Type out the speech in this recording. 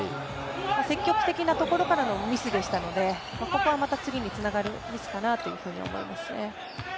積極的なところからのミスでしたので、ここはまた次につながるミスかなと思います。